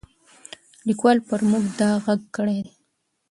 لیکوال پر موږ دا غږ کړی دی.